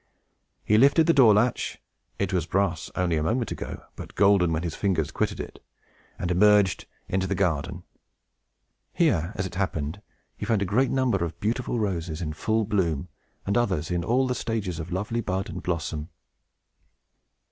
He lifted the door latch (it was brass only a moment ago, but golden when his fingers quitted it), and emerged into the garden. Here, as it happened, he found a great number of beautiful roses in full bloom, and others in all the stages of lovely bud and blossom.